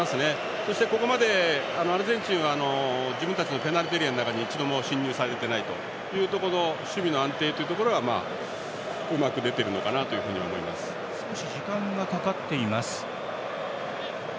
そして、ここまでアルゼンチンは自分たちのペナルティーエリアに一度も進入されていないというところで守備の安定のところは少し時間がかかっています。